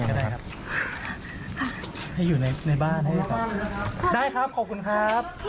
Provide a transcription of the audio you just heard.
ขอบคุณมากต่อครับ